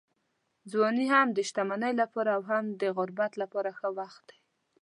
ځواني هم د شتمنۍ لپاره او هم د غربت لپاره ښه وخت دی.